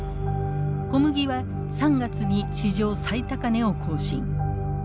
小麦は３月に史上最高値を更新。